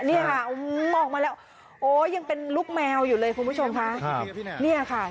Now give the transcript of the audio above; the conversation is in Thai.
เนี่ยค่ะออกมาแล้วโอ้ยังเป็นลูกแมวอยู่เลยคุณผู้ชมค่ะเนี่ยค่ะ